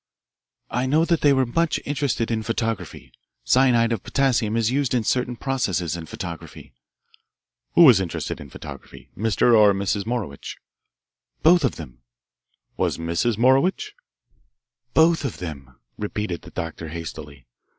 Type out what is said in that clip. "I know that they were much interested in photography. Cyanide of potassium is used in certain processes in photography." "Who was interested in photography, Mr. or Mrs. Morowitch?" "Both of them." "Was Mrs. Morowitch?" "Both of them," repeated the doctor hastily.